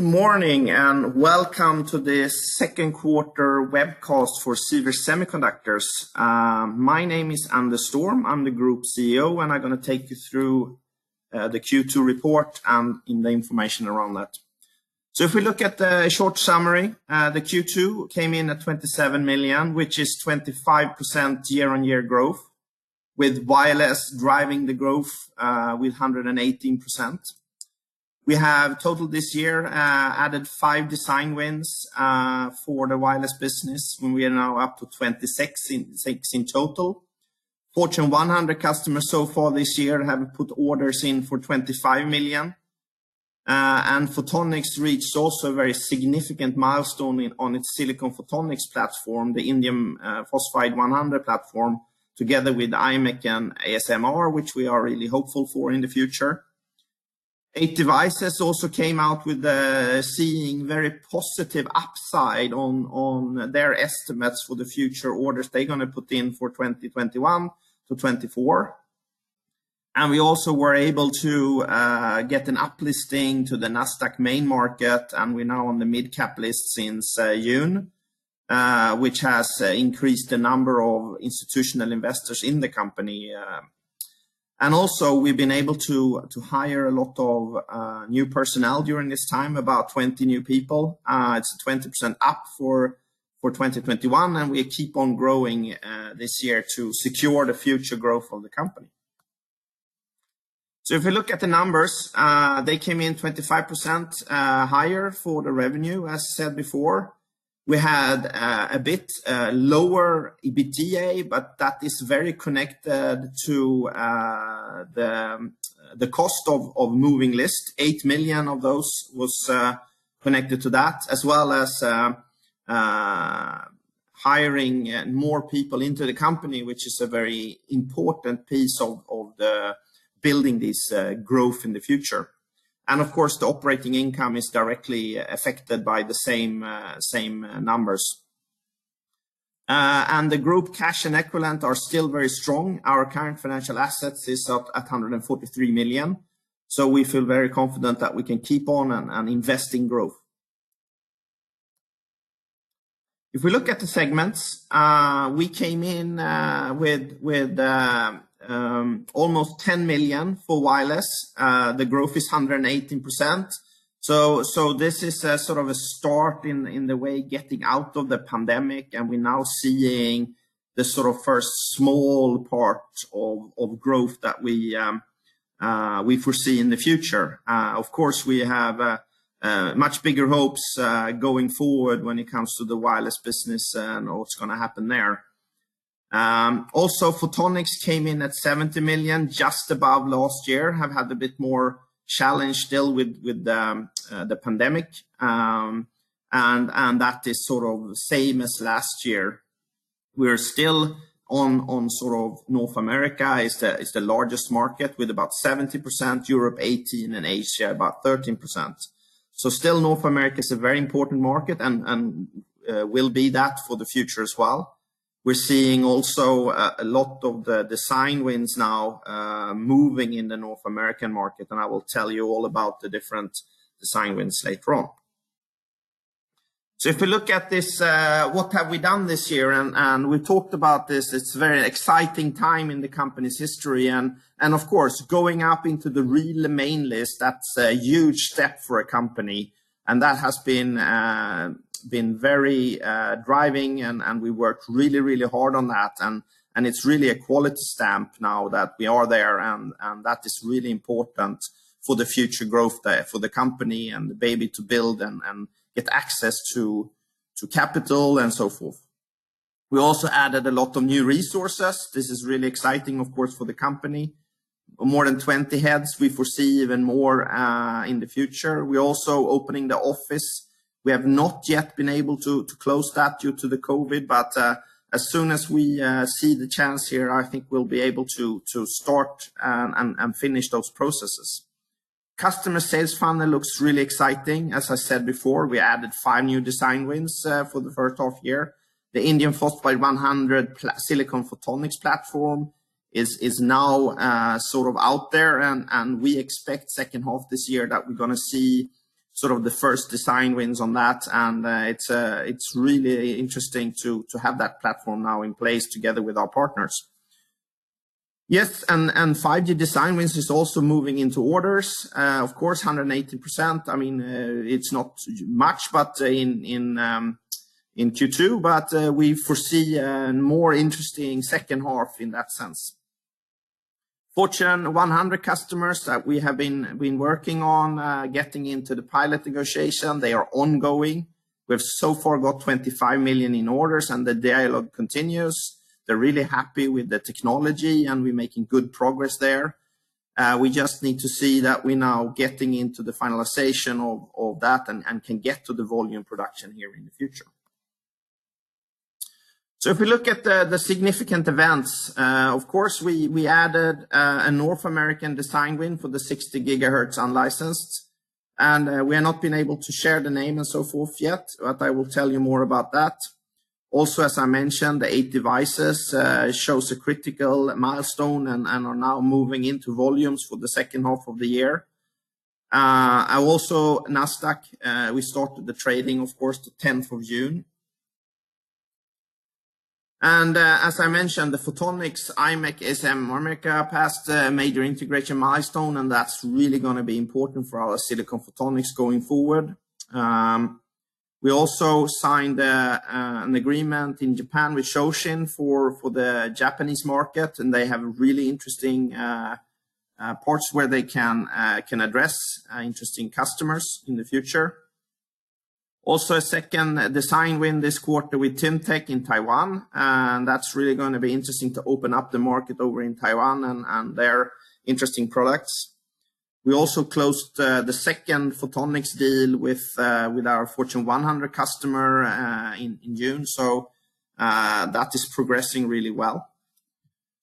Good morning, and welcome to this second quarter web cast for Sivers Semiconductors. My name is Anders Storm. I'm the Group CEO, and I'm going to take you through the Q2 report and the information around that. If we look at the short summary, the Q2 came in at 27 million, which is 25% year-on-year growth, with wireless driving the growth with 118%. We have total this year added five design wins for the wireless business, and we are now up to 26 in total. Fortune 100 customers so far this year have put orders in for 25 million. Photonics reached also a very significant milestone on its silicon photonics platform, the Indium Phosphide 100 platform, together with Imec and ASML, which we are really hopeful for in the future. 8devices also came out with seeing very positive upside on their estimates for the future orders they're going to put in for 2021-2024. We also were able to get an uplisting to the Nasdaq main market, and we're now on the mid cap list since June, which has increased the number of institutional investors in the company. Also, we've been able to hire a lot of new personnel during this time, about 20 new people. It's 20% up for 2021, and we keep on growing this year to secure the future growth of the company. If we look at the numbers, they came in 25% higher for the revenue, as said before. We had a bit lower EBITDA, but that is very connected to the cost of moving list. 8 million of those was connected to that, as well as hiring more people into the company, which is a very important piece of the building this growth in the future. The operating income is directly affected by the same numbers. The group cash and equivalent are still very strong. Our current financial assets is up at 143 million. We feel very confident that we can keep on and invest in growth. If we look at the segments, we came in with almost 10 million for wireless. The growth is 118%. This is sort of a start in the way getting out of the pandemic, and we're now seeing the sort of first small part of growth that we foresee in the future. Of course, we have much bigger hopes going forward when it comes to the wireless business and what's going to happen there. Photonics came in at 70 million, just above last year. We have had a bit more challenge still with the pandemic, and that is sort of the same as last year. We're still on sort of North America is the largest market with about 70%, Europe 18%, and Asia about 13%. Still North America is a very important market and will be that for the future as well. We're seeing also a lot of the design wins now moving in the North American market, and I will tell you all about the different design wins later on. If we look at this, what have we done this year, and we talked about this. It's a very exciting time in the company's history. Of course, going up into the real main list, that's a huge step for a company, and that has been very driving, and we worked really hard on that. It's really a quality stamp now that we are there, and that is really important for the future growth there for the company and maybe to build and get access to capital and so forth. We also added a lot of new resources. This is really exciting, of course, for the company. More than 20 heads. We foresee even more in the future. We're also opening the office. We have not yet been able to close that due to the COVID, but as soon as we see the chance here, I think we'll be able to start and finish those processes. Customer sales funnel looks really exciting. As I said before, we added five new design wins for the first half year. The Indium Phosphide 100 silicon photonics platform is now out there, and we expect second half this year that we're going to see the first design wins on that. It's really interesting to have that platform now in place together with our partners. Yes, 5G design wins is also moving into orders. Of course, 118%. It's not much in Q2, but we foresee a more interesting second half in that sense. Fortune 100 customers that we have been working on getting into the pilot negotiation, they are ongoing. We've so far got 25 million in orders, and the dialogue continues. They're really happy with the technology, and we're making good progress there. We just need to see that we're now getting into the finalization of that and can get to the volume production here in the future. If we look at the significant events, of course, we added a North American design win for the 60 GHz unlicensed, and we have not been able to share the name and so forth yet, but I will tell you more about that. As I mentioned, the 8devices shows a critical milestone and are now moving into volumes for the second half of the year. Nasdaq, we started the trading, of course, the June 10th. As I mentioned, the Photonics Imec SiN MMIC passed a major integration milestone, and that's really going to be important for our silicon photonics going forward. We signed an agreement in Japan with Shoshin for the Japanese market, and they have really interesting ports where they can address interesting customers in the future. A second design win this quarter with Taiwan Intec in Taiwan. That's really going to be interesting to open up the market over in Taiwan and their interesting products. We also closed the second Photonics deal with our Fortune 100 customer in June. That is progressing really well.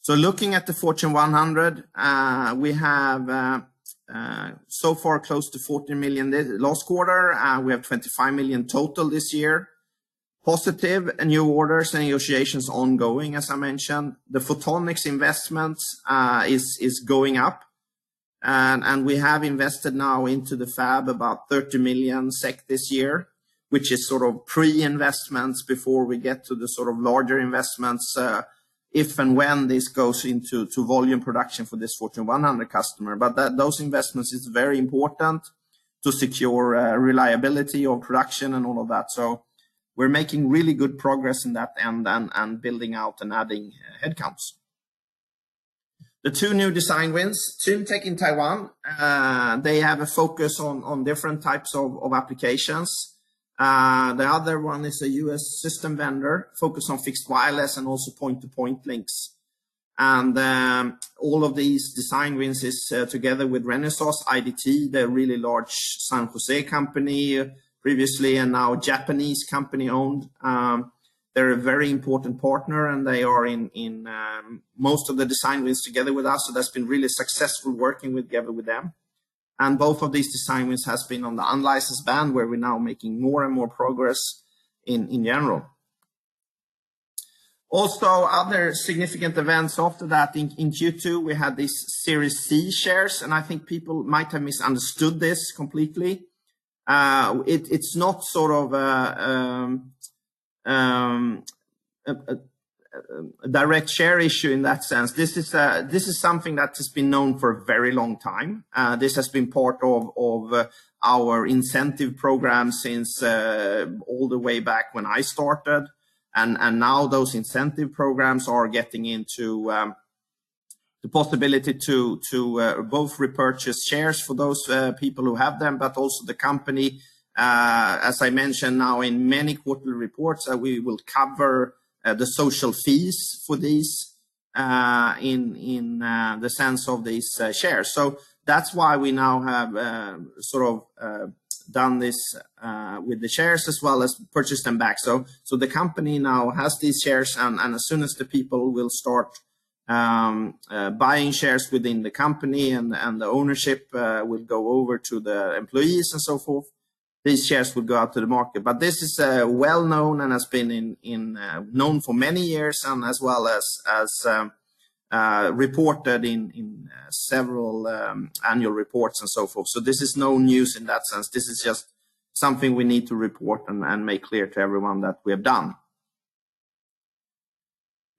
Looking at the Fortune 100, we have so far close to 40 million this last quarter. We have 25 million total this year. Positive new orders and negotiations ongoing, as I mentioned. The Photonics investments is going up. We have invested now into the fab about 30 million SEK this year, which is sort of pre-investments before we get to the sort of larger investments, if and when this goes into volume production for this Fortune 100 customer. Those investments is very important to secure reliability of production and all of that. We're making really good progress in that and building out and adding headcounts. The two new design wins, Taiwan Intec in Taiwan, they have a focus on different types of applications. The other one is a U.S. system vendor focused on fixed wireless and also point-to-point links. All of these design wins is together with Renesas IDT. They're a really large San Jose company previously and now Japanese company-owned. They're a very important partner. They are in most of the design wins together with us. That's been really successful working together with them. Both of these design wins has been on the unlicensed band, where we're now making more and more progress in general. Also, other significant events after that in Q2, we had these Series C shares, and I think people might have misunderstood this completely. It's not sort of a direct share issue in that sense. This is something that has been known for a very long time. This has been part of our incentive program since all the way back when I started. Now those incentive programs are getting into the possibility to both repurchase shares for those people who have them, but also the company, as I mentioned now in many quarterly reports, we will cover the social fees for these in the sense of these shares. That's why we now have sort of done this with the shares as well as purchased them back. The company now has these shares, and as soon as the people will start buying shares within the company and the ownership will go over to the employees and so forth, these shares will go out to the market. This is well-known and has been known for many years and as well as reported in several annual reports and so forth. This is no news in that sense. This is just something we need to report and make clear to everyone that we have done.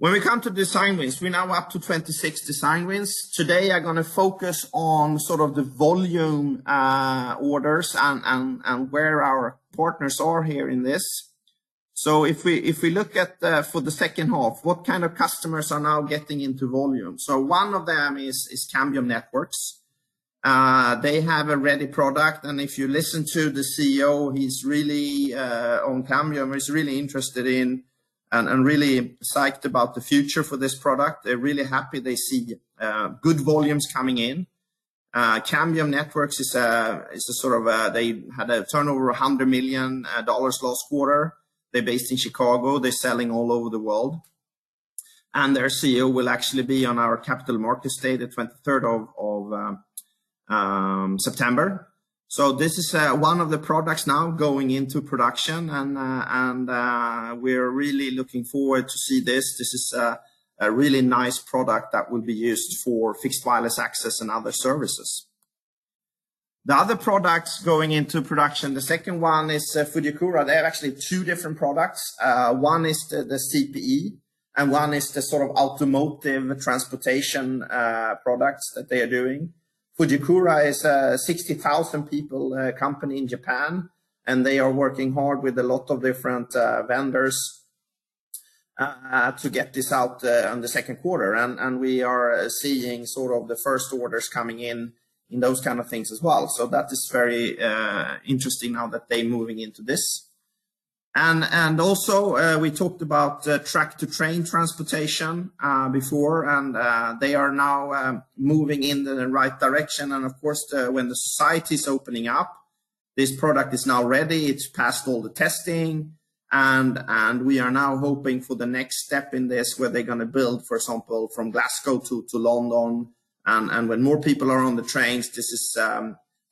When we come to design wins, we're now up to 26 design wins. Today, I'm going to focus on sort of the volume orders and where our partners are here in this. If we look at for the second half, what kind of customers are now getting into volume? One of them is Cambium Networks. They have a ready product, and if you listen to the CEO, he's really on Cambium, is really interested in and really psyched about the future for this product. They're really happy. They see good volumes coming in. Cambium Networks, they had a turnover of $100 million last quarter. They're based in Chicago. They're selling all over the world. Their CEO will actually be on our capital market day, the September 23rd. This is one of the products now going into production, and we're really looking forward to see this. This is a really nice product that will be used for fixed wireless access and other services. The other products going into production, the second one is Fujikura. They have actually two different products. One is the CPE, and one is the sort of Automotive transportation products that they are doing. Fujikura is a 60,000 people company in Japan. They are working hard with a lot of different vendors to get this out on the second quarter. We are seeing sort of the first orders coming in in those kind of things as well. That is very interesting now that they're moving into this. Also, we talked about track-to-train transportation before, and they are now moving in the right direction. Of course, when the society is opening up, this product is now ready. It's passed all the testing, and we are now hoping for the next step in this, where they're going to build, for example, from Glasgow to London. When more people are on the trains, this is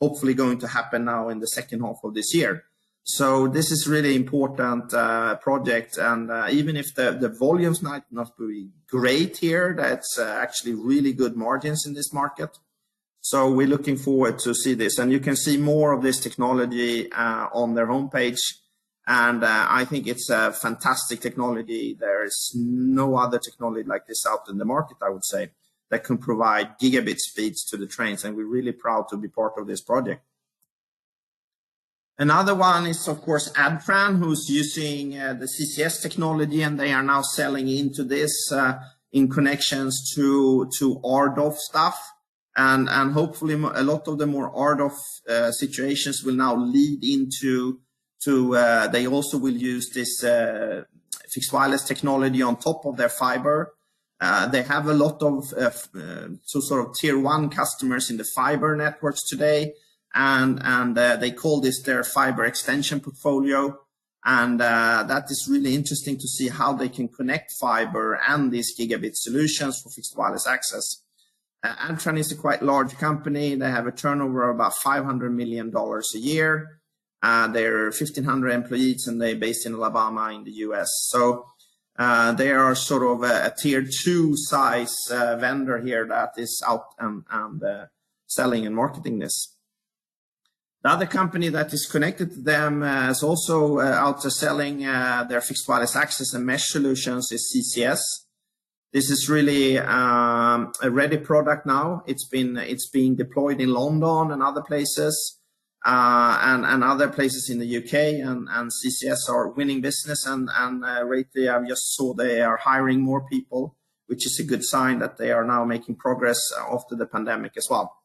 hopefully going to happen now in the second half of this year. This is really important project, and even if the volume's not going to be great here, that's actually really good margins in this market. We're looking forward to see this, and you can see more of this technology on their homepage. I think it's a fantastic technology. There is no other technology like this out in the market, I would say, that can provide gigabit speeds to the trains, and we're really proud to be part of this project. Another one is, of course, Adtran, who's using the CCS technology, and they are now selling into this in connections to RDOF stuff. Hopefully, a lot of the more RDOF situations will now lead into they also will use this fixed wireless technology on top of their fiber. They have a lot of sort of Tier 1 customers in the fiber networks today, and they call this their fiber extension portfolio. That is really interesting to see how they can connect fiber and these gigabit solutions for fixed wireless access. Adtran is a quite large company. They have a turnover of about $500 million a year. They're 1,500 employees, and they're based in Alabama in the U.S. They are sort of a Tier 2 size vendor here that is out and selling and marketing this. The other company that is connected to them is also out selling their fixed wireless access and mesh solutions is CCS. This is really a ready product now. It's being deployed in London and other places, and other places in the U.K. CCS are winning business and lately I just saw they are hiring more people, which is a good sign that they are now making progress after the pandemic as well.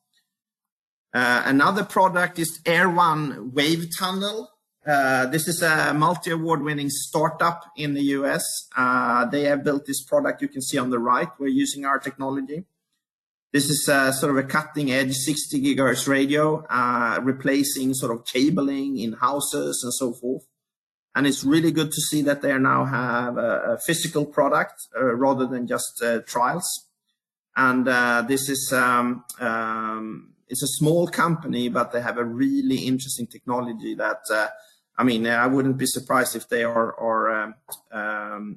Another product is Airvine WaveTunnel. This is a multi-award-winning startup in the U.S. They have built this product you can see on the right, where using our technology. This is sort of a cutting-edge 60 GHz radio replacing sort of cabling in houses and so forth. It's really good to see that they now have a physical product rather than just trials. This is a small company, but they have a really interesting technology that I wouldn't be surprised if they are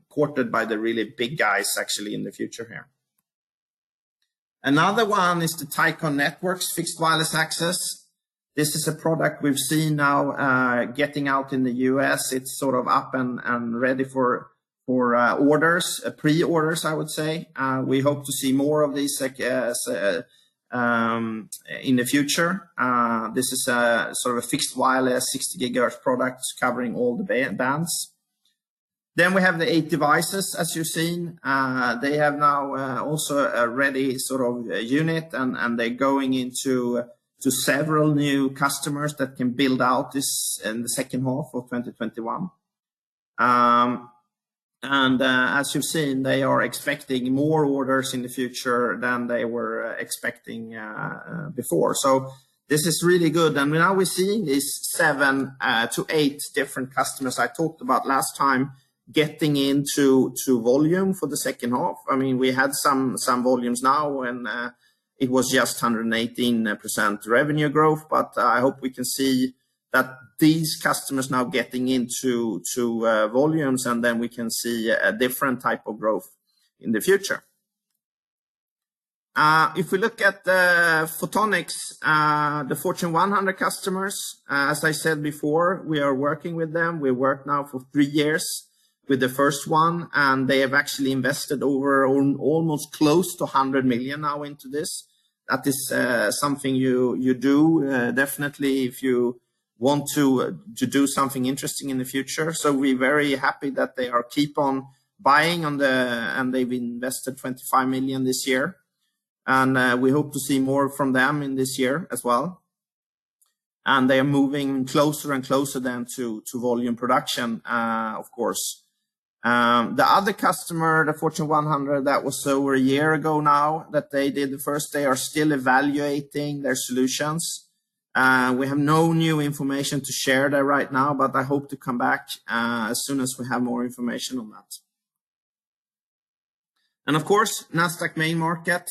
courted by the really big guys actually in the future here. Another one is the Tachyon Networks fixed wireless access. This is a product we've seen now getting out in the U.S. It's sort of up and ready for orders, pre-orders, I would say. We hope to see more of these in the future. This is a sort of a fixed wireless 60 GHz product covering all the bands. We have the 8devices, as you've seen. They have now also a ready sort of unit, and they're going into several new customers that can build out this in the second half of 2021. As you've seen, they are expecting more orders in the future than they were expecting before. This is really good. Now we're seeing these seven to eight different customers I talked about last time getting into volume for the second half. We have some volumes now, and it was just 118% revenue growth. I hope we can see that these customers now getting into volumes, and then we can see a different type of growth in the future. We look at the Photonics, the Fortune 100 customers, as I said before, we are working with them. We work now for three years with the first one, and they have actually invested over almost close to 100 million now into this. That is something you do definitely if you want to do something interesting in the future. We're very happy that they are keep on buying, and they've invested 25 million this year. We hope to see more from them in this year as well. They are moving closer and closer then to volume production, of course. The other customer, the Fortune 100, that was over a year ago now that they did the first, they are still evaluating their solutions. We have no new information to share there right now, but I hope to come back as soon as we have more information on that. Of course, Nasdaq Main Market.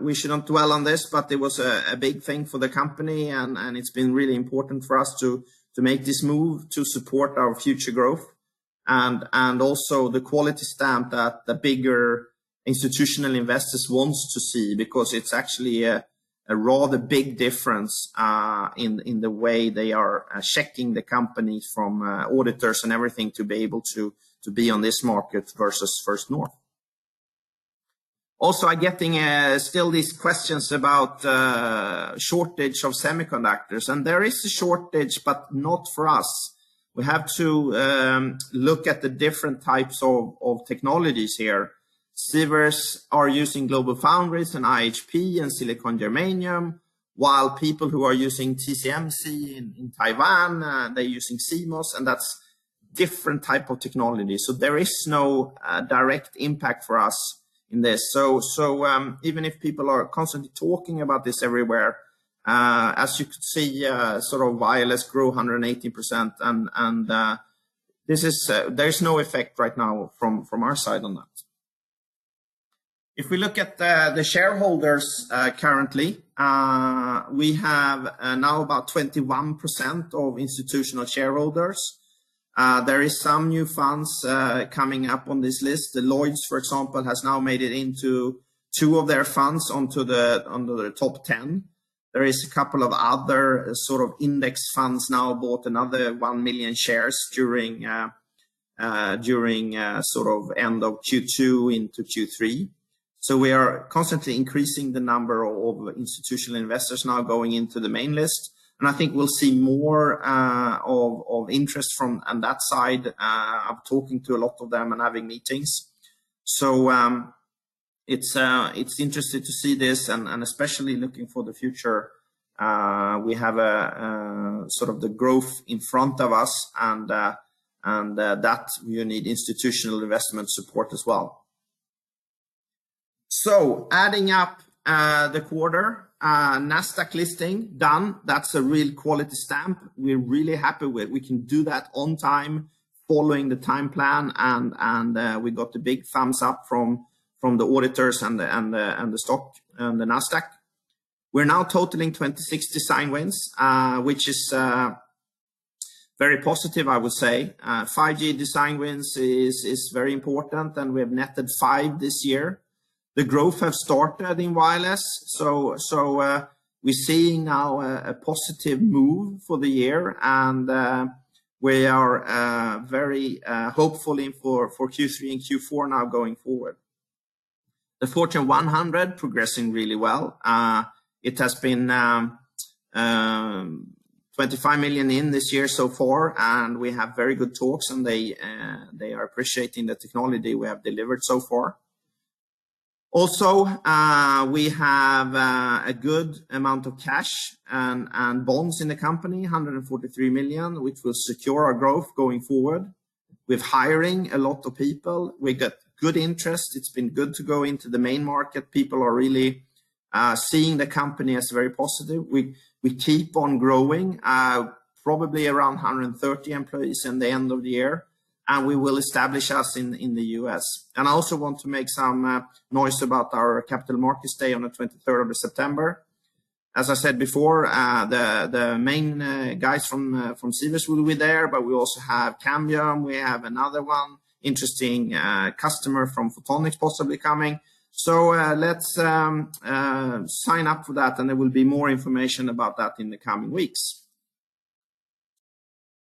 We should not dwell on this, but it was a big thing for the company, and it's been really important for us to make this move to support our future growth and also the quality stamp that the bigger institutional investors want to see because it's actually a rather big difference in the way they are checking the company from auditors and everything to be able to be on this market versus First North. Also, I'm getting still these questions about shortage of semiconductors. There is a shortage, but not for us. We have to look at the different types of technologies here. Sivers are using GlobalFoundries and IHP and silicon germanium, while people who are using TSMC in Taiwan, they're using CMOS, and that's different type of technology. There is no direct impact for us in this. Even if people are constantly talking about this everywhere, as you could see, sort of wireless grew 118%, and there's no effect right now from our side on that. If we look at the shareholders currently, we have now about 21% of institutional shareholders. There is some new funds coming up on this list. Lloyds, for example, has now made it into two of their funds under the top 10. There is a couple of other index funds now bought another 1 million shares during end of Q2 into Q3. We are constantly increasing the number of institutional investors now going into the main list, and I think we'll see more of interest from on that side. I'm talking to a lot of them and having meetings. It's interesting to see this and especially looking for the future. We have the growth in front of us and that you need institutional investment support as well. Adding up the quarter, Nasdaq listing done. That's a real quality stamp we're really happy with. We can do that on time following the time plan and we got the big thumbs up from the auditors and the Nasdaq. We're now totaling 26 design wins which is very positive, I would say. 5G design wins is very important, and we have netted five this year. The growth have started in wireless, so we're seeing now a positive move for the year and we are very hopefully for Q3 and Q4 now going forward. The Fortune 100 progressing really well. It has been 25 million in this year so far, and we have very good talks, and they are appreciating the technology we have delivered so far. Also, we have a good amount of cash and bonds in the company, 143 million, which will secure our growth going forward. We're hiring a lot of people. We got good interest. It's been good to go into the main market. People are really seeing the company as very positive. We keep on growing, probably around 130 employees in the end of the year, and we will establish us in the U.S. I also want to make some noise about our capital markets day on the September 23rd. As I said before, the main guys from Sivers will be there, but we also have Cambium, we have another one, interesting customer from Photonics possibly coming. Let's sign up for that and there will be more information about that in the coming weeks.